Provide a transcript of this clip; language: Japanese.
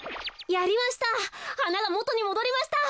やりました。